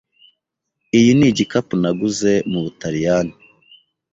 Iyi ni igikapu naguze mu Butaliyani.